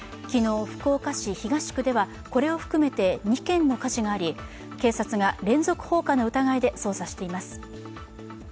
昨日、福岡市東区ではこれを含めて２件の火事があり警察が連続放火の疑いで捜査しています。